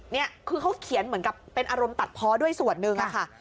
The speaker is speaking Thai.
นี่คือเขาเขียนเหมือนกับเป็นอารมณ์ตัดเพาะด้วยส่วนหนึ่งค่ะ